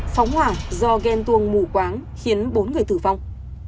phóng hỏa do ghen tuồng mù quáng khiến bốn người tử vong